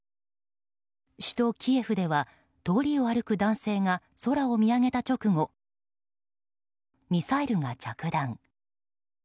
首都キエフでは通りを歩く男性が空を見上げた直後ミサイルが着弾。